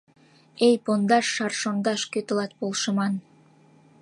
Эй, Пондаш Шар шондаш Кӧ тылат полшыман?